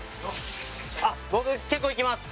僕結構行きます